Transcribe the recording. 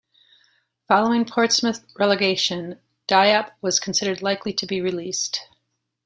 Following Portsmouth's relegation, Diop was considered likely to be released.